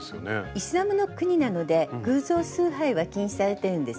イスラムの国なので偶像崇拝は禁止されてるんですね。